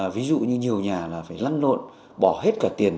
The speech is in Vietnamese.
ví dụ như nhiều nhà là phải lăn lộn bỏ hết cả tiền